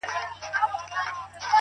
په ساز جوړ وم; له خدايه څخه ليري نه وم;